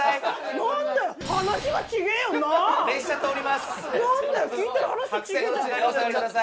何だよ！